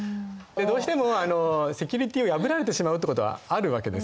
どうしてもセキュリティを破られてしまうってことはあるわけです。